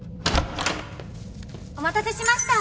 お待たせしました。